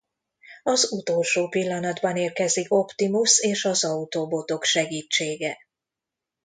Az utolsó pillanatban érkezik Optimusz és az autobotok segítsége.